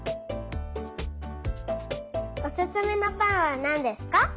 おすすめのぱんはなんですか？